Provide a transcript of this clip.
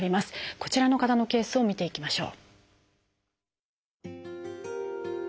こちらの方のケースを見ていきましょう。